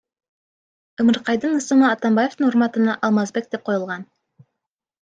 Ымыркайдын ысымы Атамбаевдин урматына Алмазбек деп коюлган.